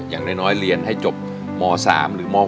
อย่างน้อยเรียนให้จบม๓หรือม๔